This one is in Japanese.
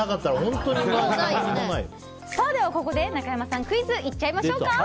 ここで中山さんクイズにいっちゃいましょうか。